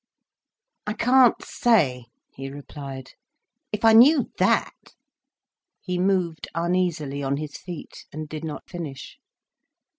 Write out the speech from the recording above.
"I can't say," he replied. "If I knew that—" He moved uneasily on his feet, and did not finish.